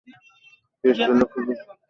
ক্রিস্টালটা খুঁজে পেয়েছ?